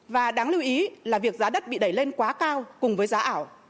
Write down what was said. và đáng lưu ý là việc giá đất bị đẩy lên quá cao cùng với giá ảo